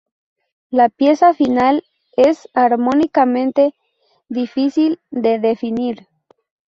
La pieza final es armónicamente difícil de definir.